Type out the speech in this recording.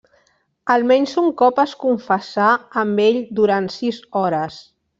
Almenys un cop es confessà amb ell durant sis hores.